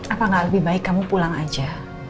apa gak lebih baik kamu pulang aja